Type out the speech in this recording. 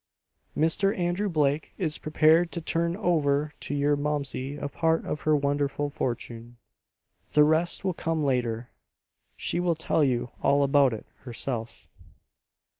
Mr. Andrew Blake is prepared to turn over to your Momsey a part of her wonderful fortune. The rest will come later. She will tell you all about it herself.